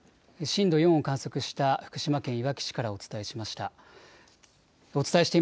震度４を観測した福島県いわき市からお伝えしました。